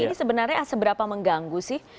ini sebenarnya seberapa mengganggu sih